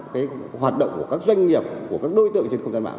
cái hoạt động của các doanh nghiệp của các đối tượng trên không gian mạng